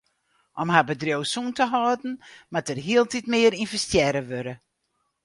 Om har bedriuw sûn te hâlden moat der hieltyd mear ynvestearre wurde.